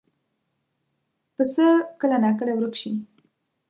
پسه کله ناکله ورک شي.